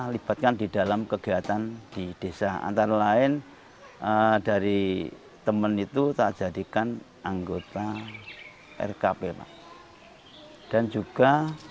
libatkan di dalam kegiatan di desa antara lain dari temen itu tak jadikan anggota rkp pak dan juga